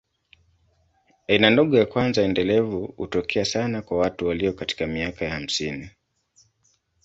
Aina ndogo ya kwanza endelevu hutokea sana kwa watu walio katika miaka ya hamsini.